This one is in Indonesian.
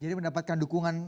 jadi mendapatkan dukungan